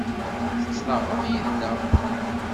Tettnaɣeḍ yid-neɣ.